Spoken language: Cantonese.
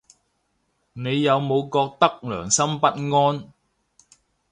你有冇覺得良心不安